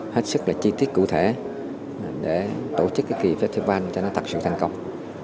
hết sức là chi tiết cụ thể để tổ chức cái kỳ festival cho nó thật sự thành công